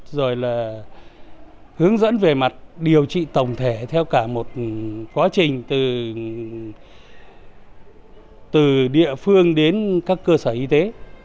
rồi là hướng dẫn về mặt điều trị tổng thể theo cả một quá trình từ địa phương đến các cơ sở y tế